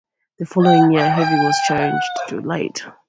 The following year Heavy was changed to Light.